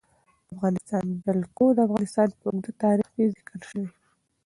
د افغانستان جلکو د افغانستان په اوږده تاریخ کې ذکر شوی دی.